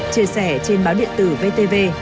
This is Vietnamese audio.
chia sẻ trên báo điện tử vtv